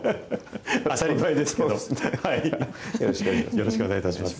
よろしくお願いします。